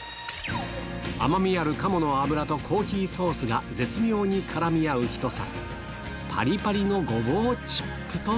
甘みある鴨の脂とコーヒーソースが絶妙にからみ合う一皿。